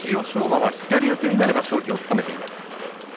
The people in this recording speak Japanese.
馬は左四つになれば勝機をつかめています。